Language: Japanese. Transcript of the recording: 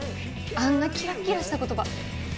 あんなキラッキラした言葉。